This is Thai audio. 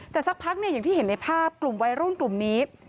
แต่สักพักเนี่ยอย่างที่เห็นในภาพกลุ่มวัยรุ่นกลุ่มนี้